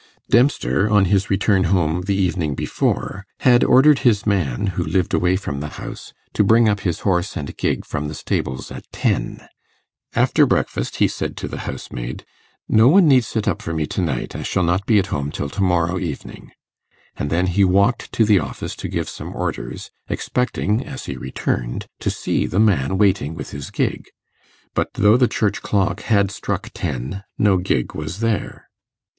Dempster, on his return home the evening before, had ordered his man, who lived away from the house, to bring up his horse and gig from the stables at ten. After breakfast he said to the housemaid, 'No one need sit up for me to night; I shall not be at home till to morrow evening;' and then he walked to the office to give some orders, expecting, as he returned, to see the man waiting with his gig. But though the church clock had struck ten, no gig was there.